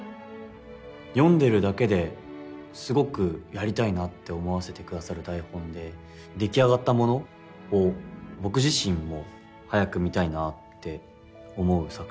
読んでるだけですごくやりたいなって思わせてくださる台本で出来上がったものを僕自身も早く見たいなって思う作品だなって思いました。